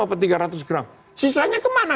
dapat tiga ratus gram sisanya kemana